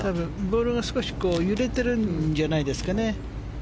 ボールが少し揺れてるんじゃないですかね。